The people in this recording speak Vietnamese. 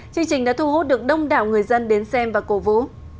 chương trình đã thu hút được đông đảo người dân đến xem và cổ vũ